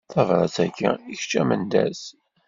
Tabrat-agi i kečč a Mendas.